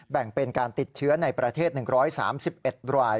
แบ่งเป็นการติดเชื้อในประเทศ๑๓๑ราย